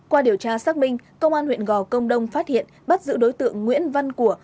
qua điều tra xác minh công an huyện gò công đông phát hiện bắt giữ đối tượng nguyễn văn của